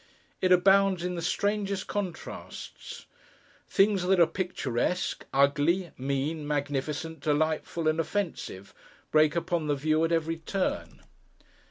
It abounds in the strangest contrasts; things that are picturesque, ugly, mean, magnificent, delightful, and offensive, break upon the view at every turn.